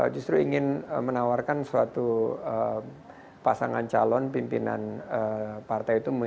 justru ingin menawarkan suatu pasangan calon pimpinan partai itu